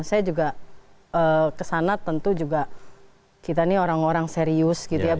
saya juga kesana tentu juga kita nih orang orang serius gitu ya